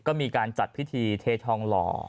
ก็มีการจัดพิธีเททองหล่อ